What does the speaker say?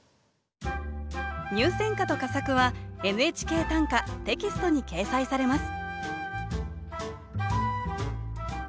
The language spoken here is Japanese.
入選歌と佳作は「ＮＨＫ短歌」テキストに掲載されます